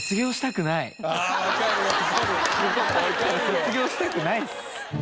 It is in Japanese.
卒業したくないです。